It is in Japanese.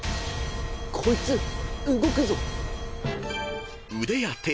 こいつ動くぞ！